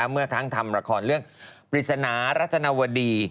เมื่อทั้งทำละครเรื่องปริศนารัฐนวดี